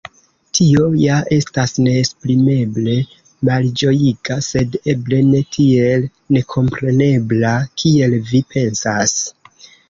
Tio ja estas neesprimeble malĝojiga, sed eble ne tiel nekomprenebla, kiel vi pensas.